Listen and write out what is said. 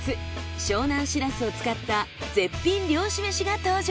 湘南しらすを使った絶品漁師めしが登場。